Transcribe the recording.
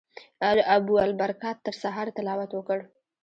ابوالبرکات تر سهاره تلاوت وکړ.